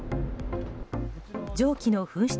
蒸気の噴出